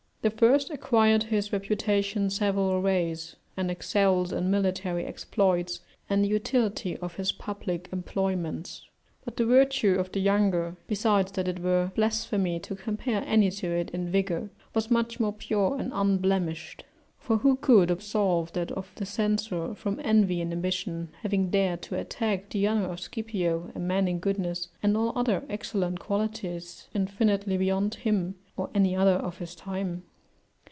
The first acquired his reputation several ways, and excels in military exploits and the utility of his public employments; but the virtue of the younger, besides that it were blasphemy to compare any to it in vigour, was much more pure and unblemished. For who could absolve that of the Censor from envy and ambition, having dared to attack the honour of Scipio, a man in goodness and all other excellent qualities infinitely beyond him or any other of his time?